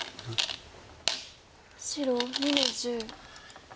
白２の十。